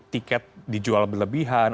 tiket dijual berlebihan